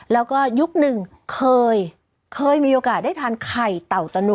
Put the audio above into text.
แล้วก็ยุคหนึ่งเคยเคยมีโอกาสได้ทานไข่เต่าตะหนุ